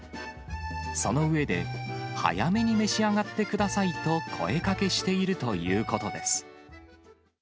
その上で、早めに召し上がってくださいと声かけしているということです。